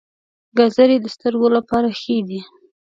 ګازرې د سترګو لپاره ښې دي